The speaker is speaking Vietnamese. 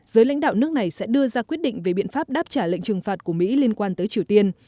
giới lãnh đạo nước này sẽ đưa ra quyết định về biện pháp đáp trả lệnh trừng phạt của mỹ liên quan tới triều tiên